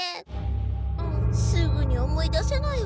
すぐに思い出せないわ。